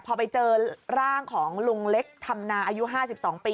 พอไปเจอร่างของลุงเล็กธรรมนาอายุ๕๒ปี